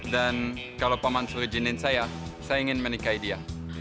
dan kalau paman su izinin saya saya ingin menikahi dia